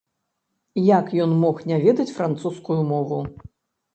Як ён мог не ведаць французскую мову?